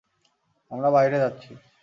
আমরা বাহিরে যাচ্ছি!